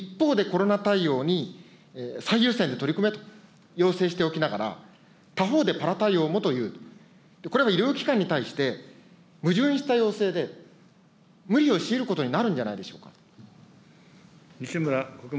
一方で、コロナ対応に最優先で取り組めと要請しておきながら、他方でパラ対応もという、これは医療機関に対して、矛盾した要請で、無理を強いることになるんじゃないでしょうか。